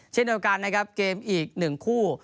เช่นเดียวกันนะครับเกมอีก๑คู่